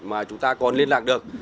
mà chúng ta còn liên lạc được